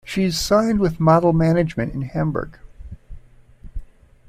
She's signed with Model Management in Hamburg.